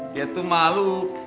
dia tuh malu